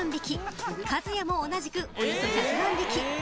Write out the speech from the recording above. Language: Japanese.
「かずやも同じくおよそ１００万匹」